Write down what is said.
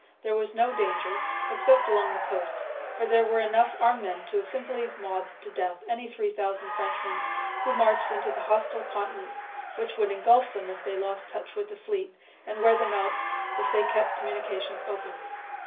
There was no danger except along the coast; for there were enough armed men to have simply mobbed to death any three thousand Frenchmen who marched into the hostile continent, which would engulf them if they lost touch with the fleet, and wear them out if they kept communications open.